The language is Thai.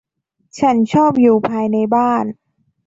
ฉันชอบอยู่ภายในบ้าน